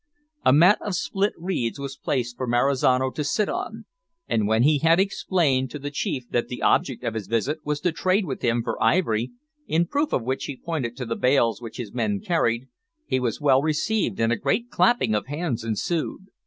A mat of split reeds was placed for Marizano to sit on; and when he had explained to the chief that the object of his visit was to trade with him for ivory in proof of which he pointed to the bales which his men carried, he was well received, and a great clapping of hands ensued.